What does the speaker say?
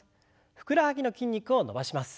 ふくらはぎの筋肉を伸ばします。